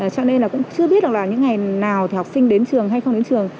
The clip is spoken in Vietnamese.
cho nên là cũng chưa biết là những ngày nào thì học sinh đến trường hay không đến trường